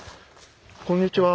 こんにちは。